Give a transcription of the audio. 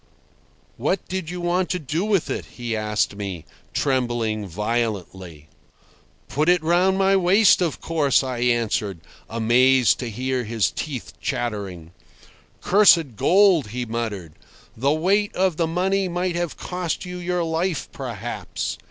"What did you want to do with it?" he asked me, trembling violently. "Put it round my waist, of course," I answered, amazed to hear his teeth chattering. "Cursed gold!" he muttered. "The weight of the money might have cost you your life, perhaps."